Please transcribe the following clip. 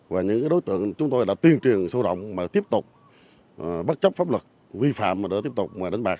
và những đối tượng chúng tôi đã tiên truyền sâu rộng mà tiếp tục bất chấp pháp luật vi phạm mà đã tiếp tục đánh bạc